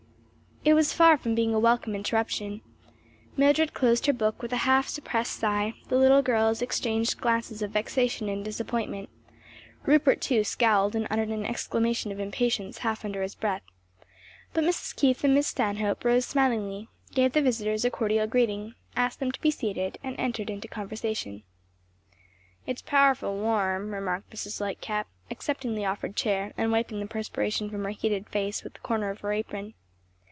It was far from being a welcome interruption. Mildred closed her book with a half suppressed sigh, the little girls exchanged glances of vexation and disappointment; Rupert, too scowled and uttered an exclamation of impatience half under his breath; but Mrs. Keith and Miss Stanhope rose smilingly, gave the visitors a cordial greeting, asked them to be seated and entered into conversation. "It's powerful warm," remarked Mrs. Lightcap, accepting the offered chair and wiping the perspiration from her heated face with the corner of her apron.